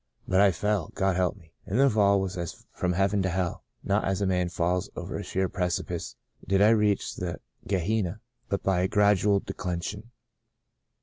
" But I fell — God help me — and the fall was as from heaven to hell. Not as a man falls over a sheer precipice did I reach my Ge henna, but by a gradual declension.